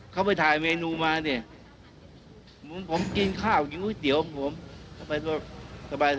อย่างมีใครขอสิบเครื่องไว้เที่ยวไหน